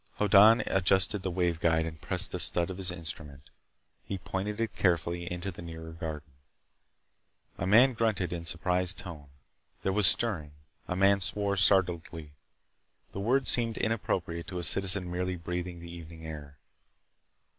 Hoddan adjusted the wave guide and pressed the stud of his instrument. He pointed it carefully into the nearer garden. A man grunted in a surprised tone. There was a stirring. A man swore startledly. The words seemed inappropriate to a citizen merely breathing the evening air.